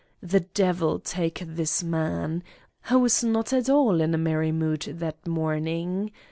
The devil take this man! I was not at all in a merry mood that morning.